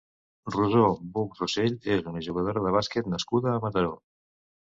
Rosó Buch Rosell és una jugadora de bàsquet nascuda a Mataró.